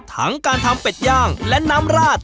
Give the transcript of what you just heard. ทั้งการทำเป็ดย่างและน้ำราด